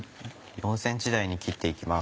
４ｃｍ大に切って行きます。